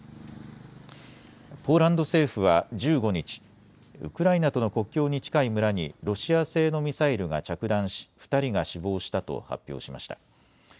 ポーランド政府は１５日、ウクライナとの国境に近い村にロシア製のミサイルが着弾し２人が死亡したと発表しました。